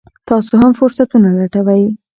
تاسو هم فرصتونه لټوئ.